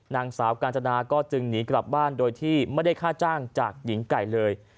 นางสาวกาญจนาก็จึงหนีกลับบ้านโดยที่ไม่ได้ค่าจ้างจากหญิงไก่เลย